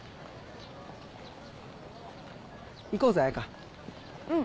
行こうぜ綾香うん